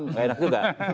nggak enak juga